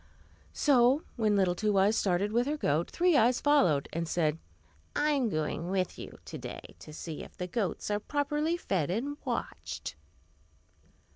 So when little Two Eyes started with her goat, Three Eyes followed, and said, "I am going with you to day, to see if the goats are properly fed and watched."